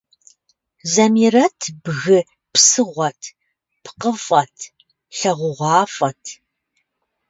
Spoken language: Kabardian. Замирэт бгы псыгъуэт, пкъыфӏэт, лагъугъуафӏэт.